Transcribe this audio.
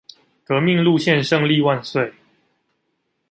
革命路線勝利萬歲